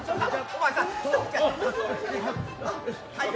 はい。